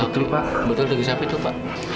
betul pak kebetulan daging sapi itu pak